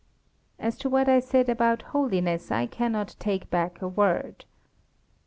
As to what I said about holiness, I cannot take back a word. Dr.